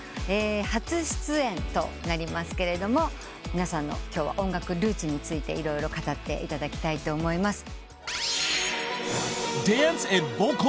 初出演となりますけれども皆さんの音楽ルーツについて色々語っていただきたいと思います。